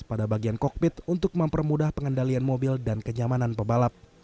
pada bagian kokpit untuk mempermudah pengendalian mobil dan kenyamanan pebalap